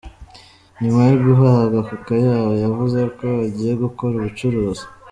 Nyuma yo guhabwa ako kayabo, yavuze ko agiye gukora ubucuruzi.